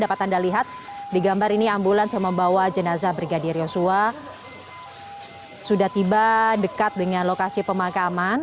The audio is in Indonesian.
dapat anda lihat di gambar ini ambulans yang membawa jenazah brigadir yosua sudah tiba dekat dengan lokasi pemakaman